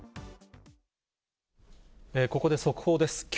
ここで速報です。